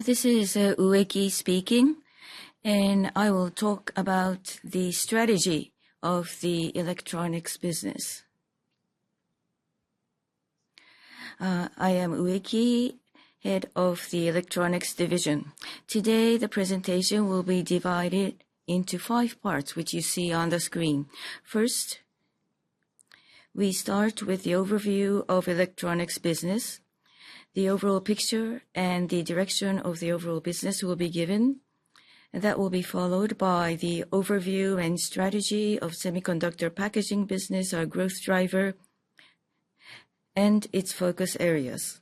This is Ueki speaking, and I will talk about the strategy of the electronics business. I am Ueki, Head of the Electronics Division. Today, the presentation will be divided into five parts, which you see on the screen. First, we start with the overview of electronics business. The overall picture and the direction of the overall business will be given, and that will be followed by the overview and strategy of the semiconductor packaging business, our growth driver, and its focus areas.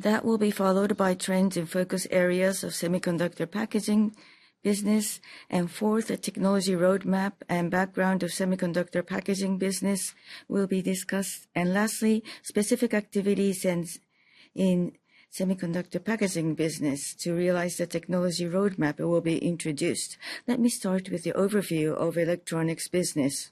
That will be followed by trends and focus areas of the semiconductor packaging business, and fourth, a technology roadmap and background of the semiconductor packaging business will be discussed. And lastly, specific activities in the semiconductor packaging business to realize the technology roadmap that will be introduced. Let me start with the overview of the electronics business.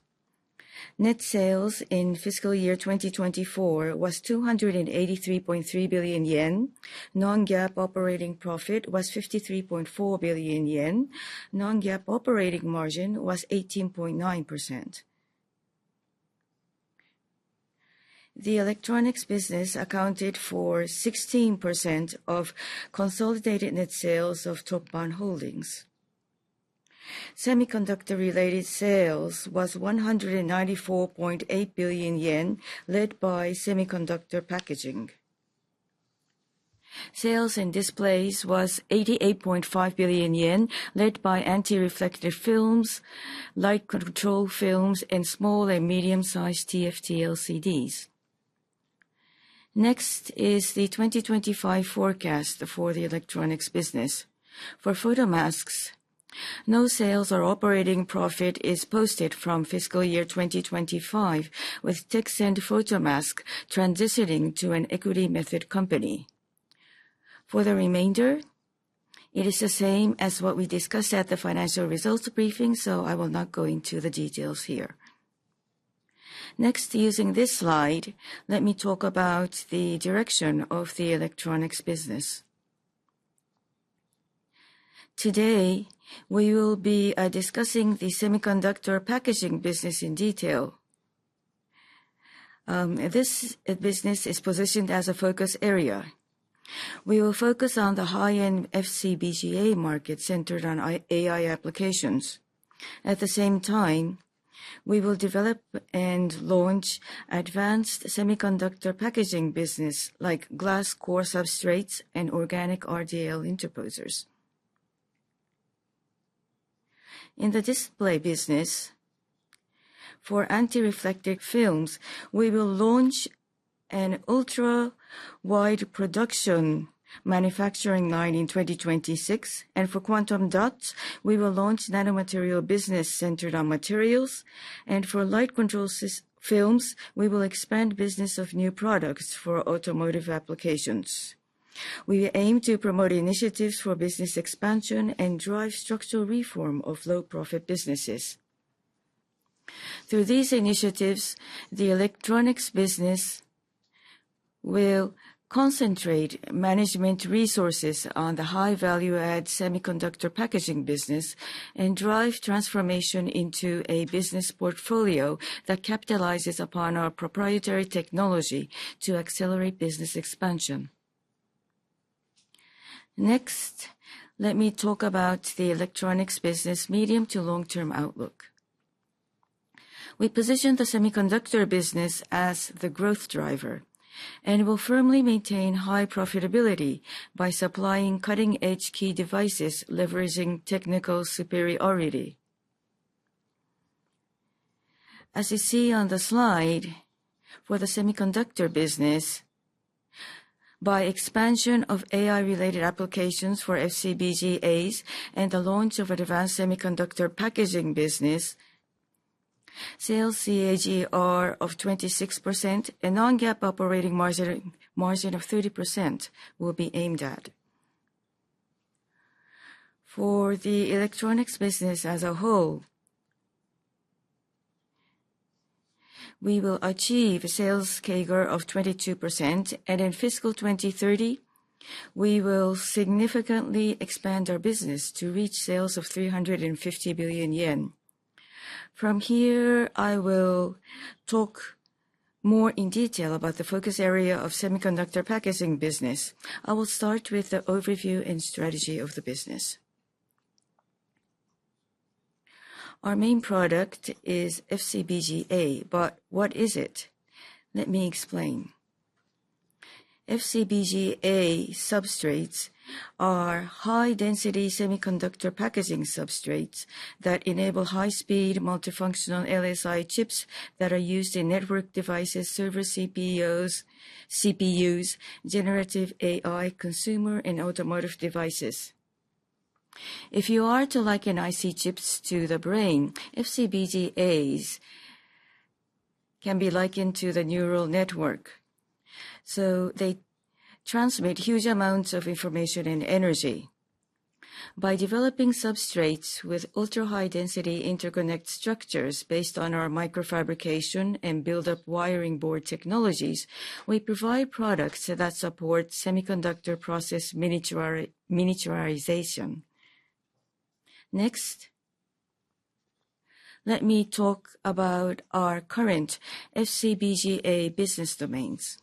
Net sales in fiscal year 2024 was 283.3 billion yen. Non-GAAP operating profit was 53.4 billion yen. Non-GAAP operating margin was 18.9%. The electronics business accounted for 16% of consolidated net sales of TOPPAN Holdings. Semiconductor-related sales was 194.8 billion yen, led by semiconductor packaging. Sales in displays was 88.5 billion yen, led by anti-reflective films, light control films, and small and medium-sized TFT-LCDs. Next is the 2025 forecast for the electronics business. For photomasks, no sales or operating profit is posted from fiscal year 2025, with Tekscend Photomask transitioning to an equity-method company. For the remainder, it is the same as what we discussed at the financial results briefing, so I will not go into the details here. Next, using this slide, let me talk about the direction of the electronics business. Today, we will be discussing the semiconductor packaging business in detail. This business is positioned as a focus area. We will focus on the high-end FC-BGA market centered on AI applications. At the same time, we will develop and launch advanced semiconductor packaging business like glass core substrates and organic RDL interposers. In the display business, for anti-reflective films, we will launch an ultra-wide production manufacturing line in 2026, and for quantum dots, we will launch a nanomaterial business centered on materials, and for light control films, we will expand the business of new products for automotive applications. We aim to promote initiatives for business expansion and drive structural reform of low-profit businesses. Through these initiatives, the electronics business will concentrate management resources on the high-value-add semiconductor packaging business and drive transformation into a business portfolio that capitalizes upon our proprietary technology to accelerate business expansion. Next, let me talk about the electronics business's medium to long-term outlook. We position the semiconductor business as the growth driver and will firmly maintain high profitability by supplying cutting-edge key devices leveraging technical superiority. As you see on the slide, for the semiconductor business, by expansion of AI-related applications for FC-BGAs and the launch of advanced semiconductor packaging business, sales CAGR of 26% and non-GAAP operating margin of 30% will be aimed at. For the electronics business as a whole, we will achieve a sales CAGR of 22%, and in fiscal 2030, we will significantly expand our business to reach sales of 350 billion yen. From here, I will talk more in detail about the focus area of the semiconductor packaging business. I will start with the overview and strategy of the business. Our main product is FC-BGA, but what is it? Let me explain. FC-BGA substrates are high-density semiconductor packaging substrates that enable high-speed multifunctional LSI chips that are used in network devices, server CPUs, generative AI, consumer, and automotive devices. If you are to liken IC chips to the brain, FC-BGAs can be likened to the neural network, so they transmit huge amounts of information and energy. By developing substrates with ultra-high-density interconnect structures based on our microfabrication and build-up wiring board technologies, we provide products that support semiconductor process miniaturization. Next, let me talk about our current FC-BGA business domains.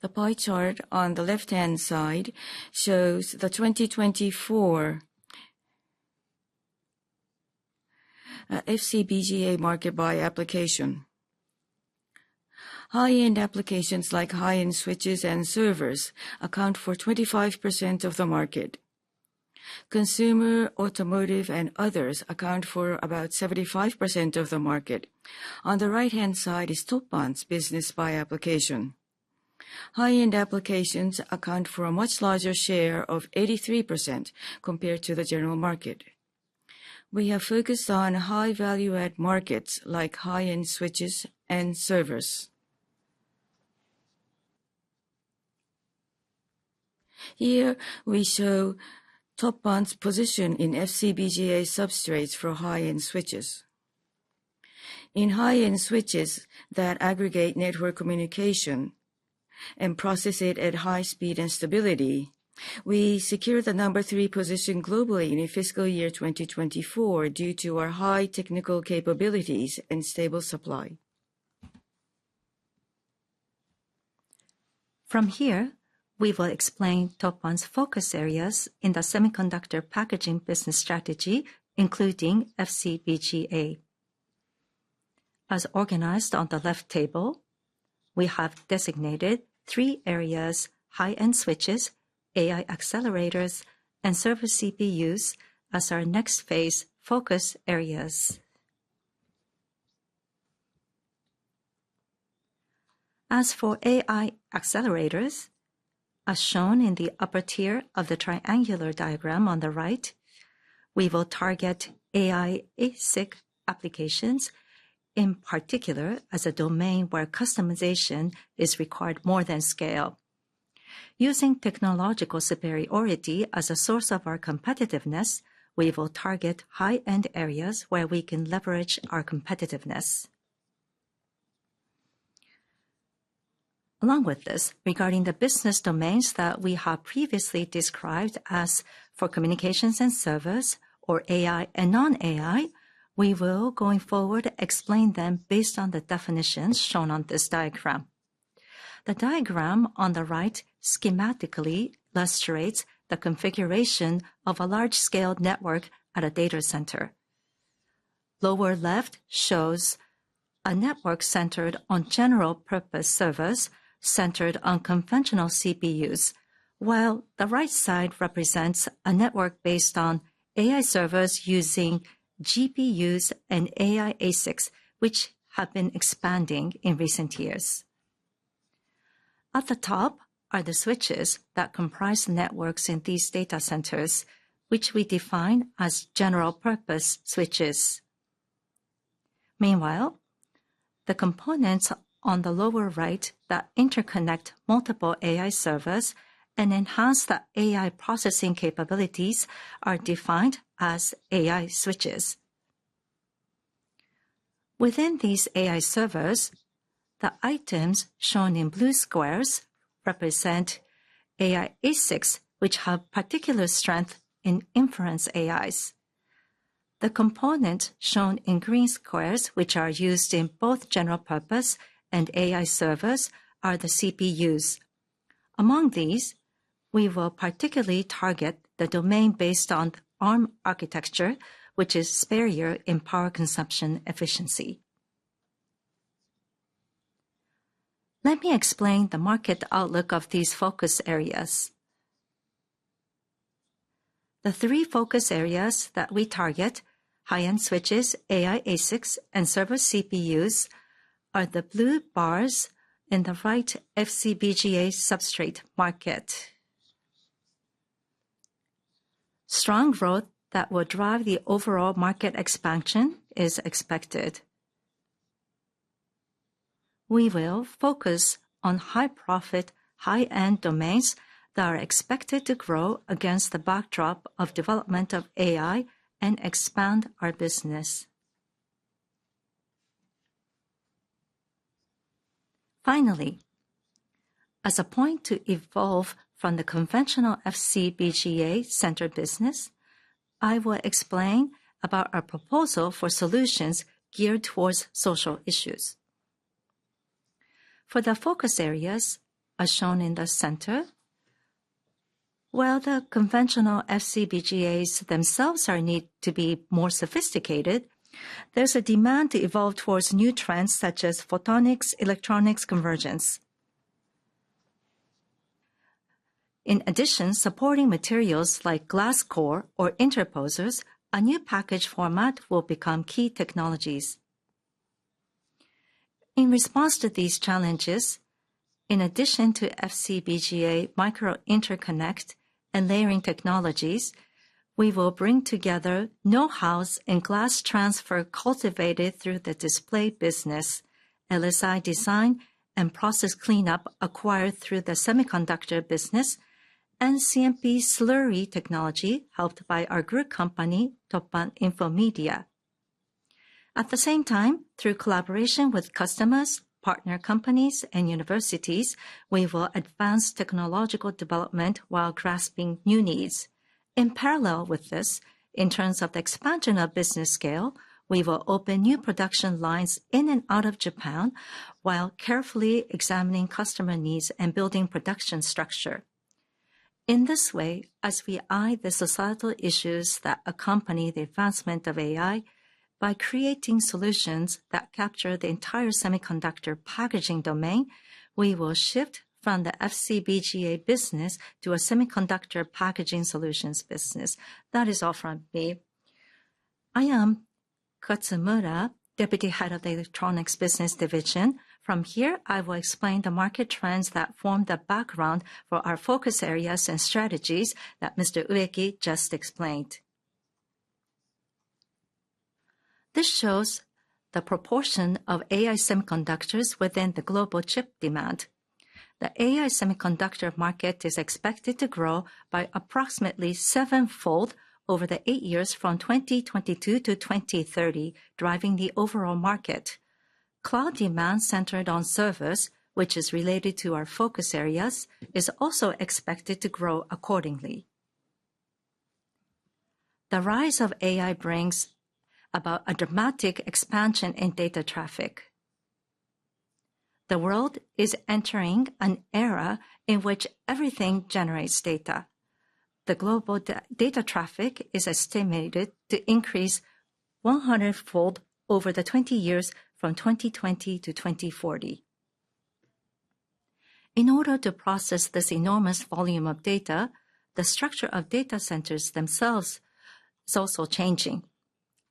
The pie chart on the left-hand side shows the 2024 FC-BGA market by application. High-end applications like high-end switches and servers account for 25% of the market. Consumer, automotive, and others account for about 75% of the market. On the right-hand side is TOPPAN's business by application. High-end applications account for a much larger share of 83% compared to the general market. We have focused on high-value-add markets like high-end switches and servers. Here, we show TOPPAN's position in FC-BGA substrates for high-end switches. In high-end switches that aggregate network communication and process it at high speed and stability, we secured the number three position globally in fiscal year 2024 due to our high technical capabilities and stable supply. From here, we will explain TOPPAN's focus areas in the semiconductor packaging business strategy, including FC-BGA. As organized on the left table, we have designated three areas: high-end switches, AI accelerators, and server CPUs as our next phase focus areas. As for AI accelerators, as shown in the upper tier of the triangular diagram on the right, we will target AI ASIC applications, in particular as a domain where customization is required more than scale. Using technological superiority as a source of our competitiveness, we will target high-end areas where we can leverage our competitiveness. Along with this, regarding the business domains that we have previously described as for communications and servers, or AI and non-AI, we will, going forward, explain them based on the definitions shown on this diagram. The diagram on the right schematically illustrates the configuration of a large-scale network at a data center. Lower left shows a network centered on general-purpose servers centered on conventional CPUs, while the right side represents a network based on AI servers using GPUs and AI ASICs, which have been expanding in recent years. At the top are the switches that comprise networks in these data centers, which we define as general-purpose switches. Meanwhile, the components on the lower right that interconnect multiple AI servers and enhance the AI processing capabilities are defined as AI switches. Within these AI servers, the items shown in blue squares represent AI ASICs, which have particular strength in inference AIs. The components shown in green squares, which are used in both general-purpose and AI servers, are the CPUs. Among these, we will particularly target the domain based on Arm architecture, which is superior in power consumption efficiency. Let me explain the market outlook of these focus areas. The three focus areas that we target, high-end switches, AI ASICs, and server CPUs, are the blue bars in the right FC-BGA substrate market. Strong growth that will drive the overall market expansion is expected. We will focus on high-profit, high-end domains that are expected to grow against the backdrop of development of AI and expand our business. Finally, as a point to evolve from the conventional FC-BGA centered business, I will explain about our proposal for solutions geared towards social issues. For the focus areas as shown in the center, while the conventional FC-BGAs themselves need to be more sophisticated, there's a demand to evolve towards new trends such as photonics-electronics convergence. In addition, supporting materials like glass core or interposers. A new package format will become key technologies. In response to these challenges, in addition to FC-BGA micro-interconnect and layering technologies, we will bring together know-hows in glass transfer cultivated through the display business, LSI design and process cleanup acquired through the semiconductor business, and CMP slurry technology helped by our group company, TOPPAN Infomedia. At the same time, through collaboration with customers, partner companies, and universities, we will advance technological development while grasping new needs. In parallel with this, in terms of the expansion of business scale, we will open new production lines in and out of Japan while carefully examining customer needs and building production structure. In this way, as we eye the societal issues that accompany the advancement of AI by creating solutions that capture the entire semiconductor packaging domain, we will shift from the FC-BGA business to a semiconductor packaging solutions business. That is all from me. I am Katsumura, Deputy Head of the Electronics Business Division. From here, I will explain the market trends that form the background for our focus areas and strategies that Mr. Ueki just explained. This shows the proportion of AI semiconductors within the global chip demand. The AI semiconductor market is expected to grow by approximately seven-fold over the eight years from 2022 to 2030, driving the overall market. Cloud demand centered on servers, which is related to our focus areas, is also expected to grow accordingly. The rise of AI brings about a dramatic expansion in data traffic. The world is entering an era in which everything generates data. The global data traffic is estimated to increase 100-fold over the 20 years from 2020 to 2040. In order to process this enormous volume of data, the structure of data centers themselves is also changing.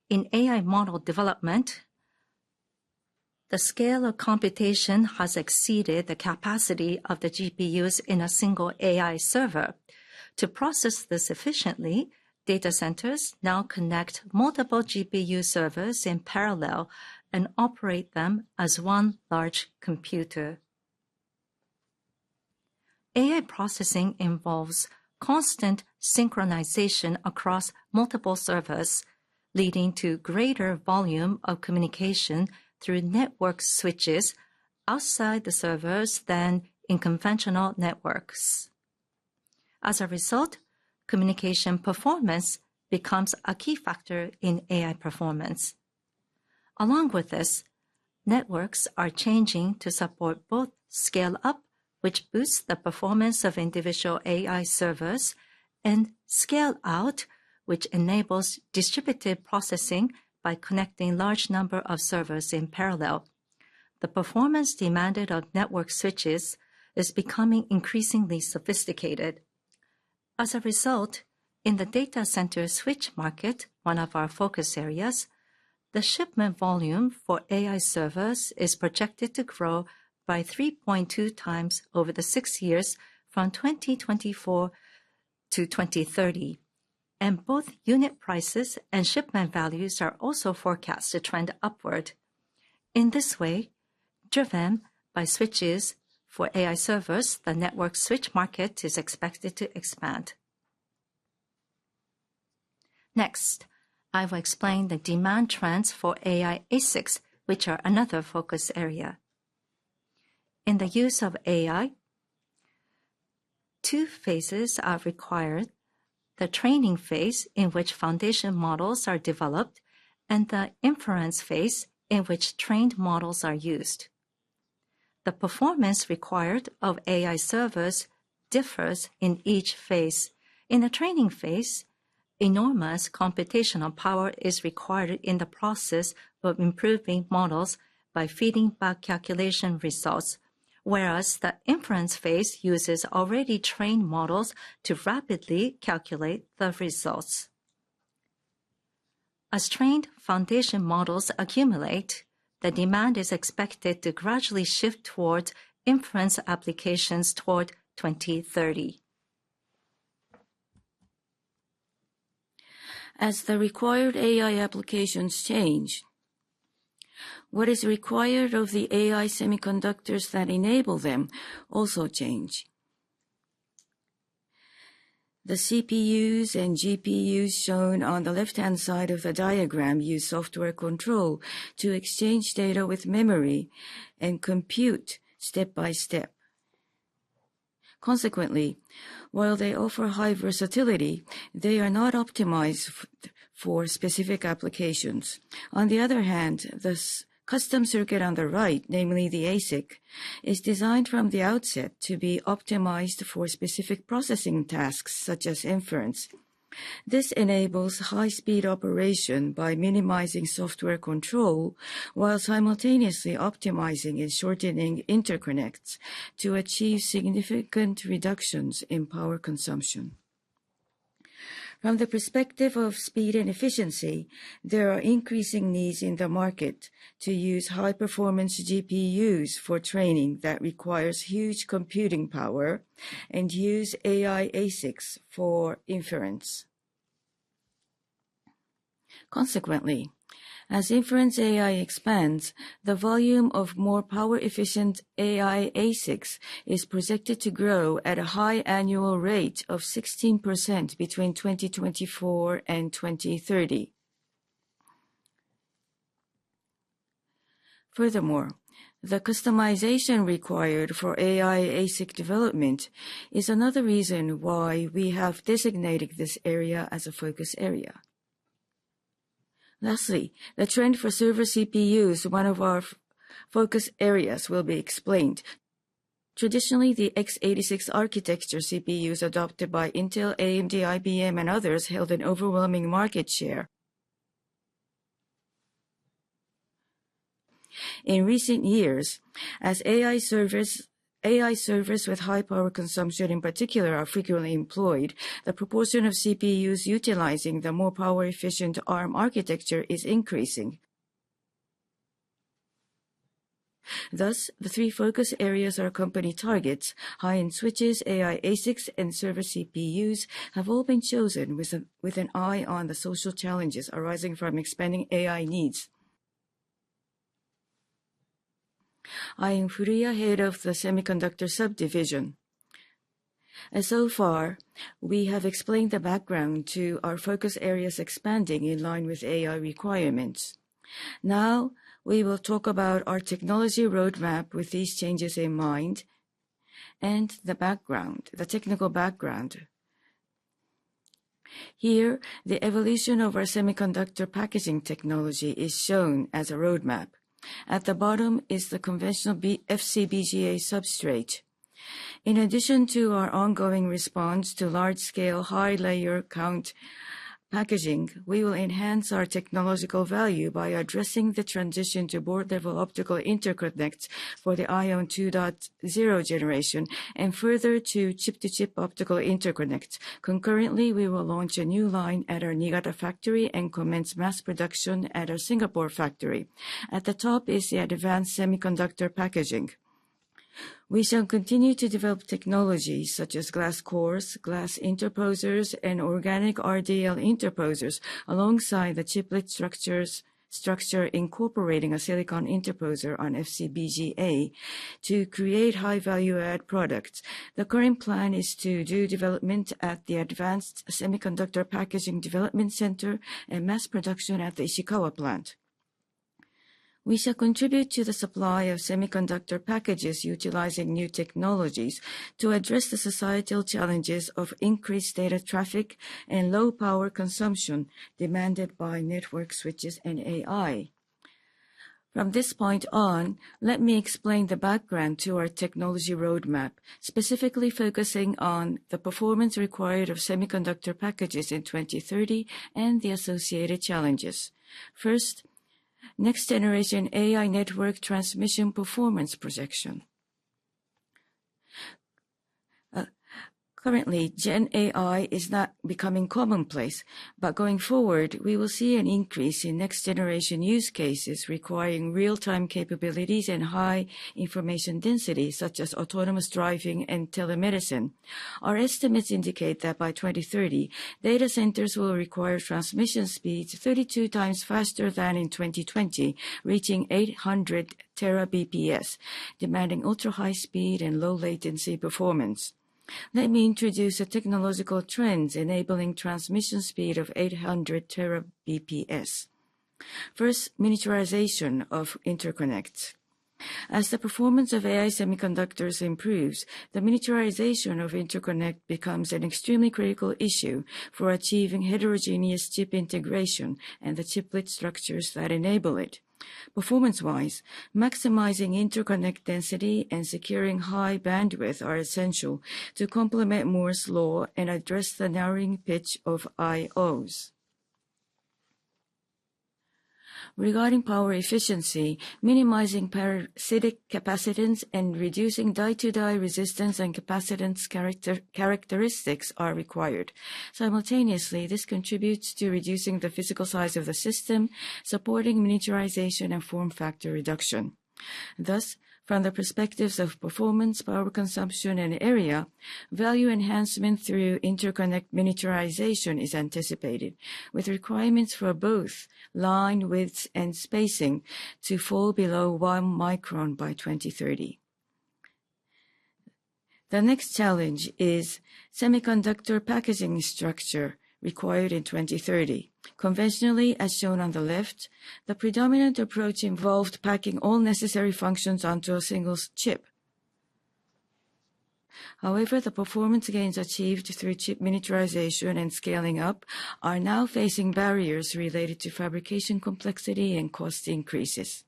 In AI model development, the scale of computation has exceeded the capacity of the GPUs in a single AI server. To process this efficiently, data centers now connect multiple GPU servers in parallel and operate them as one large computer. AI processing involves constant synchronization across multiple servers, leading to a greater volume of communication through network switches outside the servers than in conventional networks. As a result, communication performance becomes a key factor in AI performance. Along with this, networks are changing to support both scale-up, which boosts the performance of individual AI servers, and scale-out, which enables distributed processing by connecting a large number of servers in parallel. The performance demanded of network switches is becoming increasingly sophisticated. As a result, in the data center switch market, one of our focus areas, the shipment volume for AI servers is projected to grow by 3.2x over the six years from 2024 to 2030, and both unit prices and shipment values are also forecast to trend upward. In this way, driven by switches for AI servers, the network switch market is expected to expand. Next, I will explain the demand trends for AI ASICs, which are another focus area. In the use of AI, two phases are required: the training phase, in which foundation models are developed, and the inference phase, in which trained models are used. The performance required of AI servers differs in each phase. In the training phase, enormous computational power is required in the process of improving models by feeding back calculation results, whereas the inference phase uses already trained models to rapidly calculate the results. As trained foundation models accumulate, the demand is expected to gradually shift toward inference applications toward 2030. As the required AI applications change, what is required of the AI semiconductors that enable them also changes. The CPUs and GPUs shown on the left-hand side of the diagram use software control to exchange data with memory and compute step by step. Consequently, while they offer high versatility, they are not optimized for specific applications. On the other hand, the custom circuit on the right, namely the ASIC, is designed from the outset to be optimized for specific processing tasks such as inference. This enables high-speed operation by minimizing software control while simultaneously optimizing and shortening interconnects to achieve significant reductions in power consumption. From the perspective of speed and efficiency, there are increasing needs in the market to use high-performance GPUs for training that requires huge computing power and use AI ASICs for inference. Consequently, as inference AI expands, the volume of more power-efficient AI ASICs is projected to grow at a high annual rate of 16% between 2024 and 2030. Furthermore, the customization required for AI ASIC development is another reason why we have designated this area as a focus area. Lastly, the trend for server CPUs, one of our focus areas, will be explained. Traditionally, the x86 architecture CPUs adopted by Intel, AMD, IBM, and others held an overwhelming market share. In recent years, as AI servers with high power consumption in particular are frequently employed, the proportion of CPUs utilizing the more power-efficient Arm architecture is increasing. Thus, the three focus areas our company targets, high-end switches, AI ASICs, and server CPUs, have all been chosen with an eye on the social challenges arising from expanding AI needs. I am Furuya, Head of the Semiconductor Subdivision. So far, we have explained the background to our focus areas expanding in line with AI requirements. Now, we will talk about our technology roadmap with these changes in mind and the technical background. Here, the evolution of our semiconductor packaging technology is shown as a roadmap. At the bottom is the conventional FC-BGA substrate. In addition to our ongoing response to large-scale high-layer count packaging, we will enhance our technological value by addressing the transition to board-level optical interconnects for the I/O 2.0 generation and further to chip-to-chip optical interconnects. Concurrently, we will launch a new line at our Niigata factory and commence mass production at our Singapore factory. At the top is the advanced semiconductor packaging. We shall continue to develop technologies such as glass cores, glass interposers, and organic RDL interposers alongside the chiplet structure incorporating a silicon interposer on FC-BGA to create high-value-add products. The current plan is to do development at the Advanced Semiconductor Packaging Development Center and mass production at the Ishikawa Plant. We shall contribute to the supply of semiconductor packages utilizing new technologies to address the societal challenges of increased data traffic and low power consumption demanded by network switches and AI. From this point on, let me explain the background to our technology roadmap, specifically focusing on the performance required of semiconductor packages in 2030 and the associated challenges. First, next-generation AI network transmission performance projection. Currently, Gen AI is not becoming commonplace, but going forward, we will see an increase in next-generation use cases requiring real-time capabilities and high information density, such as autonomous driving and telemedicine. Our estimates indicate that by 2030, data centers will require transmission speeds 32x faster than in 2020, reaching 800 Tbps, demanding ultra-high speed and low-latency performance. Let me introduce the technological trends enabling transmission speed of 800 Tbps. First, miniaturization of interconnects. As the performance of AI semiconductors improves, the miniaturization of interconnects becomes an extremely critical issue for achieving heterogeneous chip integration and the chiplet structures that enable it. Performance-wise, maximizing interconnect density and securing high bandwidth are essential to complement Moore's law and address the narrowing pitch of I/Os. Regarding power efficiency, minimizing parasitic capacitance and reducing die-to-die resistance and capacitance characteristics are required. Simultaneously, this contributes to reducing the physical size of the system, supporting miniaturization and form factor reduction. Thus, from the perspectives of performance, power consumption, and area, value enhancement through interconnect miniaturization is anticipated, with requirements for both line, width, and spacing to fall below one micron by 2030. The next challenge is semiconductor packaging structure required in 2030. Conventionally, as shown on the left, the predominant approach involved packing all necessary functions onto a single chip. However, the performance gains achieved through chip miniaturization and scaling up are now facing barriers related to fabrication complexity and cost increases.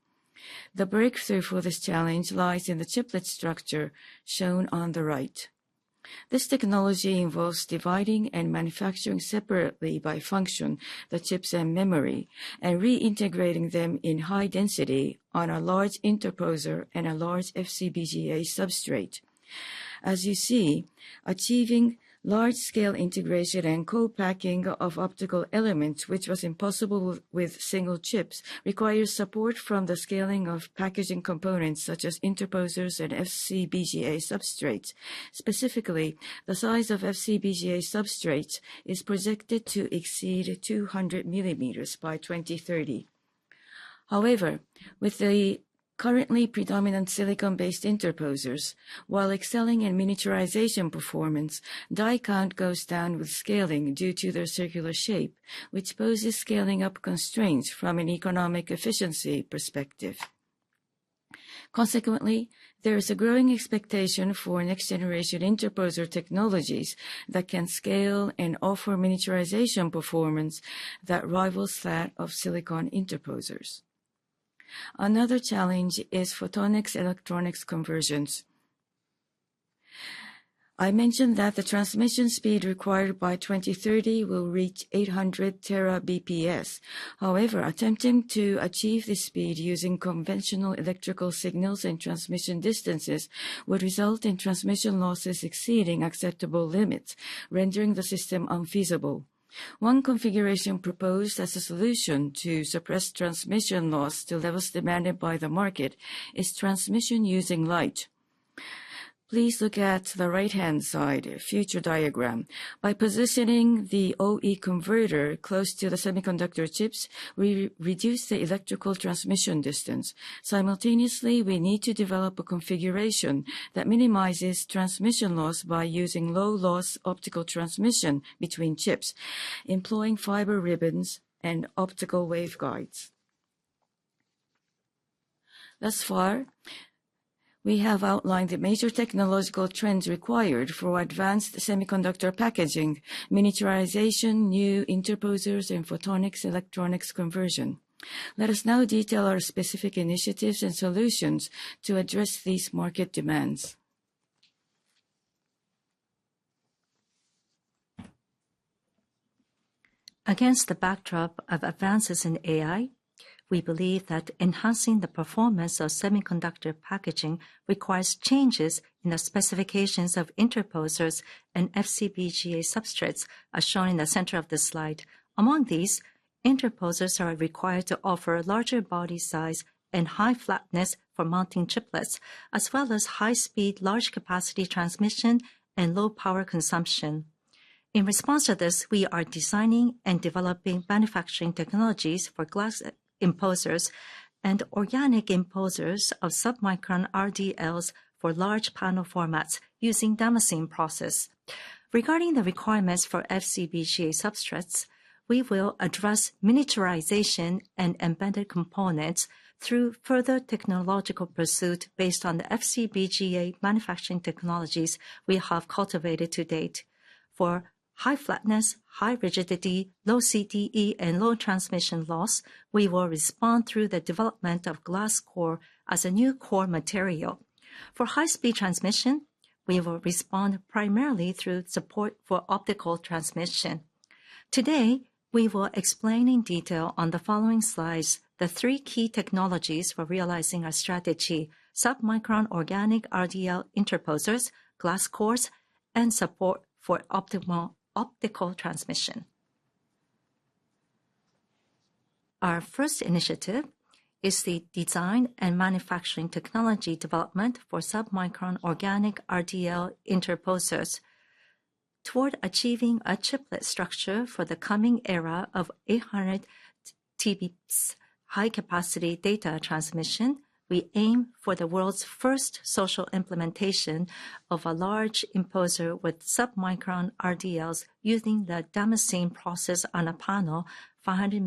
The breakthrough for this challenge lies in the chiplet structure shown on the right. This technology involves dividing and manufacturing separately by function, the chips and memory, and reintegrating them in high density on a large interposer and a large FC-BGA substrate. As you see, achieving large-scale integration and co-packing of optical elements, which was impossible with single chips, requires support from the scaling of packaging components such as interposers and FC-BGA substrates. Specifically, the size of FC-BGA substrates is projected to exceed 200 mm by 2030. However, with the currently predominant silicon-based interposers, while excelling in miniaturization performance, die count goes down with scaling due to their circular shape, which poses scaling-up constraints from an economic efficiency perspective. Consequently, there is a growing expectation for next-generation interposer technologies that can scale and offer miniaturization performance that rivals that of silicon interposers. Another challenge is photonics-electronics convergence. I mentioned that the transmission speed required by 2030 will reach 800 Tbps. However, attempting to achieve this speed using conventional electrical signals and transmission distances would result in transmission losses exceeding acceptable limits, rendering the system unfeasible. One configuration proposed as a solution to suppress transmission loss to levels demanded by the market is transmission using light. Please look at the right-hand side future diagram. By positioning the OE converter close to the semiconductor chips, we reduce the electrical transmission distance. Simultaneously, we need to develop a configuration that minimizes transmission loss by using low-loss optical transmission between chips, employing fiber ribbons and optical waveguides. Thus far, we have outlined the major technological trends required for advanced semiconductor packaging, miniaturization, new interposers, and photonics-electronics conversion. Let us now detail our specific initiatives and solutions to address these market demands. Against the backdrop of advances in AI, we believe that enhancing the performance of semiconductor packaging requires changes in the specifications of interposers and FC-BGA substrates, as shown in the center of the slide. Among these, interposers are required to offer a larger body size and high flatness for mounting chiplets, as well as high-speed, large-capacity transmission and low power consumption. In response to this, we are designing and developing manufacturing technologies for glass interposers and organic interposers of submicron RDLs for large panel formats using damascene process. Regarding the requirements for FC-BGA substrates, we will address miniaturization and embedded components through further technological pursuit based on the FC-BGA manufacturing technologies we have cultivated to date. For high flatness, high rigidity, low CTE, low transmission loss, we will respond through the development of glass core as a new core material. For high-speed transmission, we will respond primarily through support for optical transmission. Today, we will explain in detail on the following slides the three key technologies for realizing our strategy: submicron organic RDL interposers, glass cores, and support for optical transmission. Our first initiative is the design and manufacturing technology development for submicron organic RDL interposers. Toward achieving a chiplet structure for the coming era of 800 Tbps high-capacity data transmission, we aim for the world's first social implementation of a large interposer with submicron RDLs using the damascene process on a panel 500 sq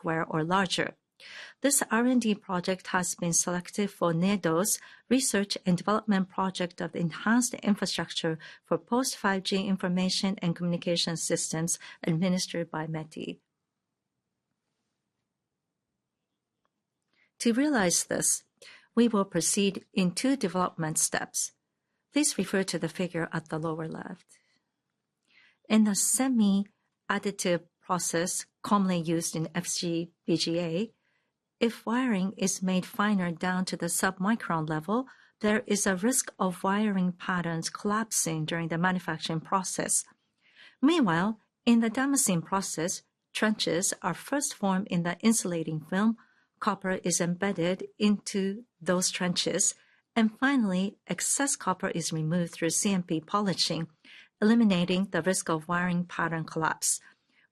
mm or larger. This R&D project has been selected for NEDO's Research and Development Project of Enhanced Infrastructure for Post-5G Information and Communication Systems administered by METI. To realize this, we will proceed in two development steps. Please refer to the figure at the lower left. In the semi-additive process commonly used in FC-BGA, if wiring is made finer down to the submicron level, there is a risk of wiring patterns collapsing during the manufacturing process. Meanwhile, in the damascene process, trenches are first formed in the insulating film, copper is embedded into those trenches, and finally, excess copper is removed through CMP polishing, eliminating the risk of wiring pattern collapse.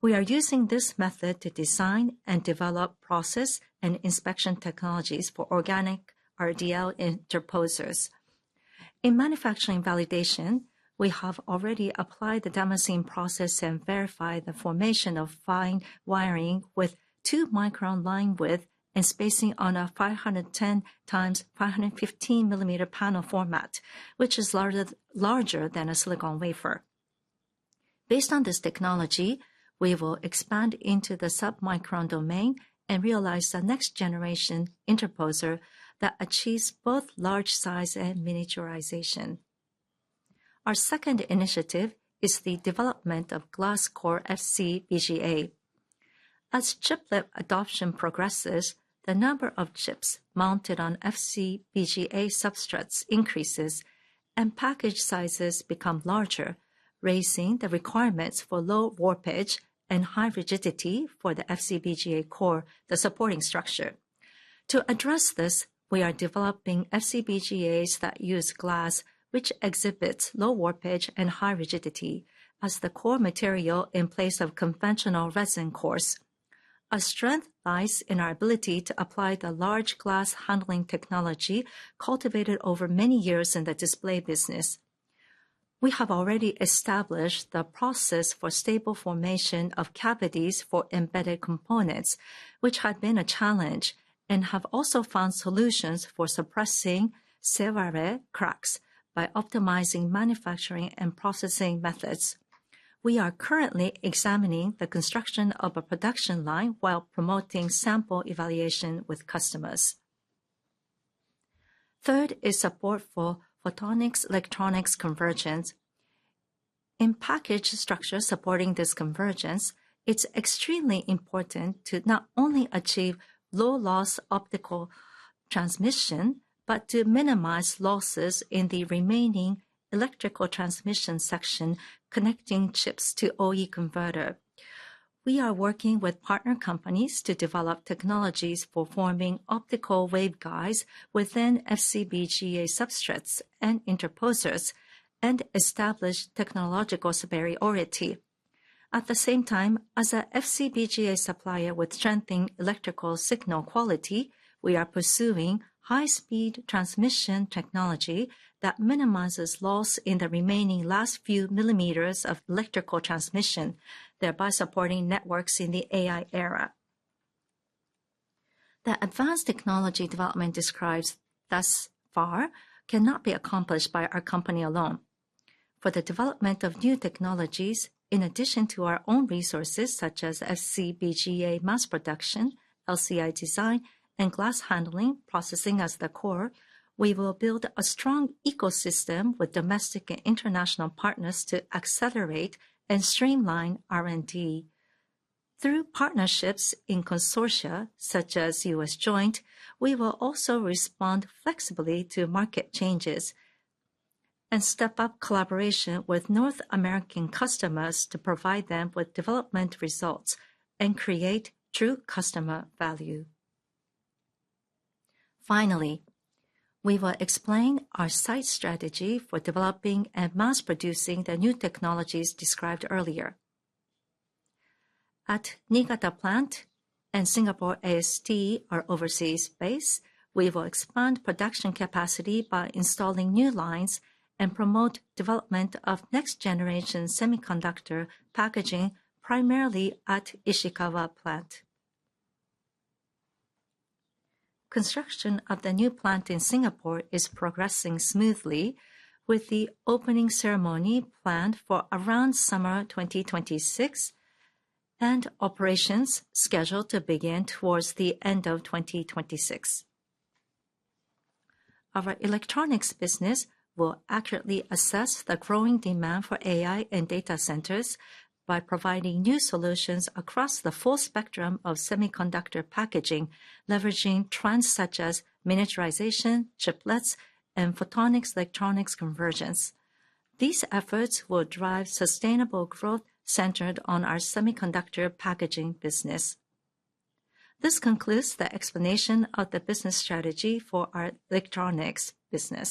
We are using this method to design and develop process and inspection technologies for organic RDL interposers. In manufacturing validation, we have already applied the damascene process and verified the formation of fine wiring with two-micron line width and spacing on a 510 times 515 millimeter panel format, which is larger than a silicon wafer. Based on this technology, we will expand into the submicron domain and realize the next-generation interposer that achieves both large size and miniaturization. Our second initiative is the development of glass core FC-BGA. As chiplet adoption progresses, the number of chips mounted on FC-BGA substrates increases and package sizes become larger, raising the requirements for low warpage and high rigidity for the FC-BGA core, the supporting structure. To address this, we are developing FC-BGAs that use glass, which exhibits low warpage and high rigidity as the core material in place of conventional resin cores. Our strength lies in our ability to apply the large glass handling technology cultivated over many years in the display business. We have already established the process for stable formation of cavities for embedded components, which had been a challenge, and have also found solutions for suppressing severe cracks by optimizing manufacturing and processing methods. We are currently examining the construction of a production line while promoting sample evaluation with customers. Third is support for photonics-electronics convergence. In-package structure supporting this convergence, it's extremely important to not only achieve low-loss optical transmission, but to minimize losses in the remaining electrical transmission section connecting chips to OE converter. We are working with partner companies to develop technologies for forming optical waveguides within FC-BGA substrates and interposers and establish technological superiority. At the same time, as an FC-BGA supplier with strengthened electrical signal quality, we are pursuing high-speed transmission technology that minimizes loss in the remaining last few millimeters of electrical transmission, thereby supporting networks in the AI era. The advanced technology development described thus far cannot be accomplished by our company alone. For the development of new technologies, in addition to our own resources such as FC-BGA mass production, LSI design, and glass handling processing as the core, we will build a strong ecosystem with domestic and international partners to accelerate and streamline R&D. Through partnerships in consortia such as US-JOINT, we will also respond flexibly to market changes and step up collaboration with North American customers to provide them with development results and create true customer value. Finally, we will explain our site strategy for developing and mass producing the new technologies described earlier. At Niigata Plant and Singapore AST, our overseas base, we will expand production capacity by installing new lines and promote development of next-generation semiconductor packaging primarily at Ishikawa Plant. Construction of the new plant in Singapore is progressing smoothly, with the opening ceremony planned for around summer 2026 and operations scheduled to begin toward the end of 2026. Our electronics business will accurately assess the growing demand for AI and data centers by providing new solutions across the full spectrum of semiconductor packaging, leveraging trends such as miniaturization, chiplets, and photonics-electronics convergence. These efforts will drive sustainable growth centered on our semiconductor packaging business. This concludes the explanation of the business strategy for our electronics business.